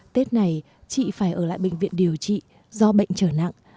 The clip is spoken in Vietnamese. tết này chị phải ở lại bệnh viện điều trị do bệnh trở nặng